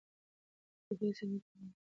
د کوهي څنډي ته نه وو راختلی